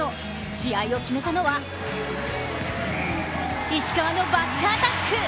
試合を決めたのは石川のバックアタック。